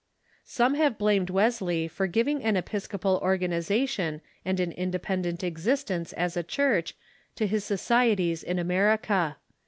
* Some have blamed Wesley for giving an episcopal organiza tion and an independent existence as a Church to his societies in America.